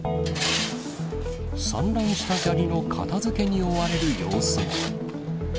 散乱した砂利の片づけに追われる様子も。